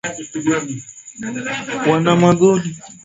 Wamongolia na magharibi Finno Ugric mababu wa